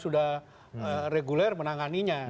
sudah reguler menanganinya